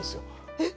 えっ？